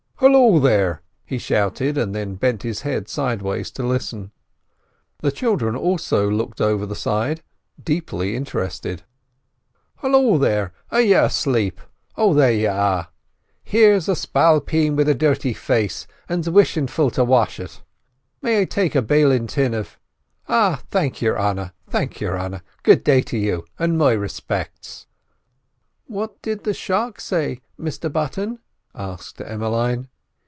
"Halloo there!" he shouted, and then bent his head sideways to listen; the children also looked over the side, deeply interested. "Halloo there! Are y'aslape— Oh, there y'are! Here's a spalpeen with a dhirty face, an's wishful to wash it; may I take a bailin' tin of— Oh, thank your 'arner, thank your 'arner—good day to you, and my respects." "What did the shark say, Mr Button?" asked Emmeline.